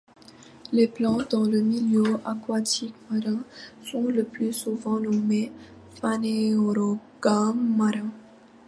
Les plantes dans le milieu aquatique marin sont le plus souvent nommées phanérogames marins.